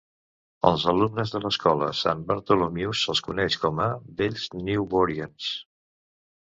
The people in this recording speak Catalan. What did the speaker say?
Als alumnes de l'escola Saint Bartholomew se'ls coneix com a "Vells newburians".